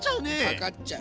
かかっちゃう。